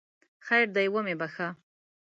خیر دی ومې بخښه!